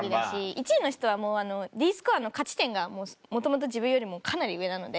１位の人はもうＤスコアの勝ち点がもともと自分よりもかなり上なので。